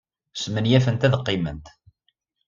Smenyafent ad qqiment.